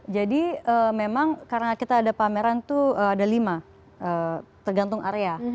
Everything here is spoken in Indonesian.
jadi memang karena kita ada pameran itu ada lima tergantung area